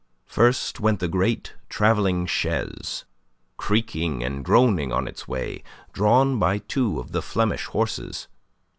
First went the great travelling chaise, creaking and groaning on its way, drawn by two of the Flemish horses.